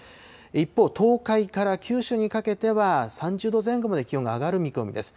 一方、東海から九州にかけては３０度前後まで気温が上がる見込みです。